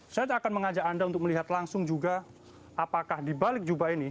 saya akan mengajak anda untuk melihat langsung juga apakah di balik jubah ini